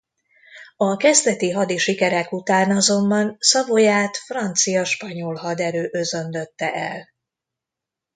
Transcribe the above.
A kezdeti hadi sikerek után azonban Savoyát francia–spanyol haderő özönlötte el.